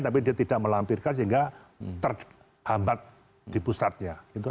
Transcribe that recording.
tapi dia tidak melampirkan sehingga terhambat di pusatnya